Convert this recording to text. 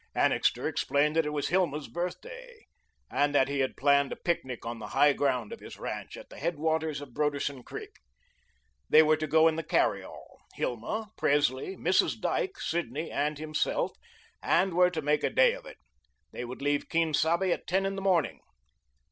Annixter explained that it was Hilma's birthday, and that he had planned a picnic on the high ground of his ranch, at the headwaters of Broderson Creek. They were to go in the carry all, Hilma, Presley, Mrs. Dyke, Sidney, and himself, and were to make a day of it. They would leave Quien Sabe at ten in the morning.